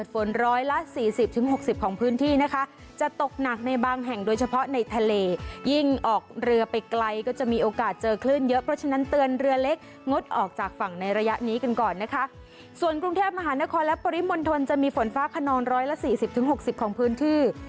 ฝั่งในระยะนี้กันก่อนนะคะส่วนกรุงเทพมหานครและปริมณฑลจะมีฝนฟ้าคณร้อยละสี่สิบถึงหกสิบของพื้นที่